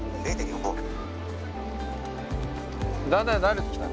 だんだん慣れてきた？